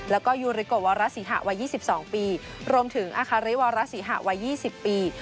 แล้วก็ยูริโกวารสิหะวัย๒๒ปีรวมถึงอาคารริวารศรีหะวัย๒๐ปี